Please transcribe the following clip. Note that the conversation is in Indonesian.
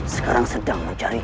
sekarang sedang menjariku